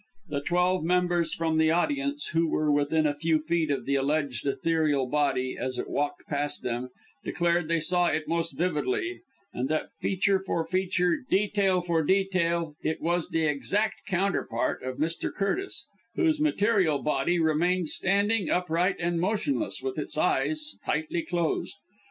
The twelve members from the audience who were within a few feet of the alleged ethereal body, as it walked past them, declared they saw it most vividly, and that feature for feature, detail for detail, it was the exact counterpart of Mr. Curtis, whose material body remained standing, upright and motionless, with its eyes tightly closed.